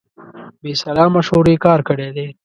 بې سلا مشورې کار کړی دی.